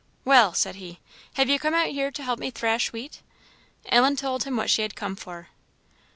"Well!" said he, "have you come out here to help me thrash wheat?" Ellen told him what she had come for.